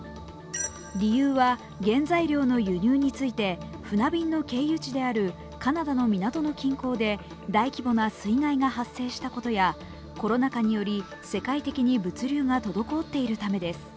理由は原材料の輸入について船便の経由地であるカナダの港の均衡で大規模な水害が発生したことやコロナ禍により世界的に物流が滞っているためです。